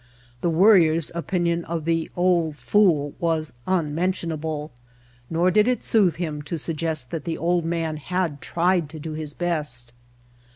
The Worrier's opinion of "the old fool" was unmentionable, nor did it soothe him to suggest that the old man had tried to do his best.